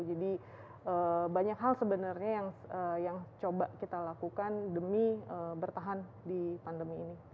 jadi banyak hal sebenarnya yang coba kita lakukan demi bertahan di pandemi ini